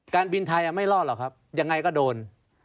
การบินไทยไม่รอดหรอกครับยังไงก็โดน